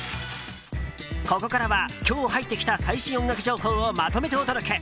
ここからは今日入ってきた最新音楽情報をまとめてお届け。